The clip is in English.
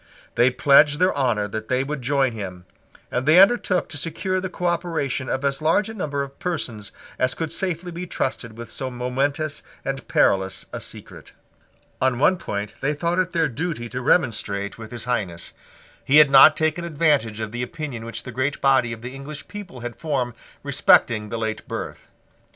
They pledged their honour that they would join him; and they undertook to secure the cooperation of as large a number of persons as could safely be trusted with so momentous and perilous a secret. On one point they thought it their duty to remonstrate with his Highness. He had not taken advantage of the opinion which the great body of the English people had formed respecting the late birth.